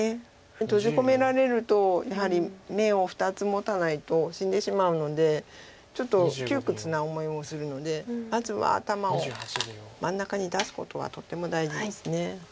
閉じ込められるとやはり眼を２つ持たないと死んでしまうのでちょっと窮屈な思いもするのでまずは頭を真ん中に出すことはとても大事です。